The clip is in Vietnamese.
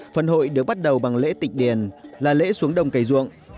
phần hội được bắt đầu bằng lễ tịch điền là lễ xuống đồng cây ruộng